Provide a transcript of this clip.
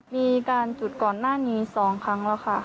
มีการจุดก่อนหน้านี้๒ครั้งแล้วค่ะ